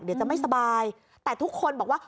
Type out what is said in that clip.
เดี๋ยวจะไม่สบายแต่ทุกคนบอกว่า